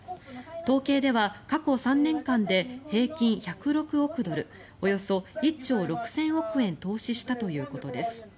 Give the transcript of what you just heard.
統計では過去３年間で平均１０６億ドルおよそ１兆６０００億円投資したということです。